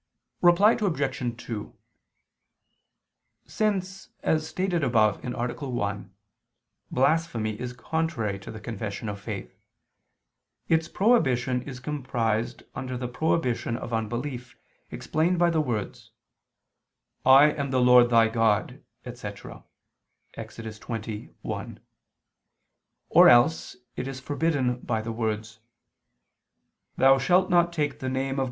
Reply Obj. 2: Since, as stated above (A. 1), blasphemy is contrary to the confession of faith, its prohibition is comprised under the prohibition of unbelief, expressed by the words: "I am the Lord thy God," etc. (Ex. 20:1). Or else, it is forbidden by the words: "Thou shalt not take the name of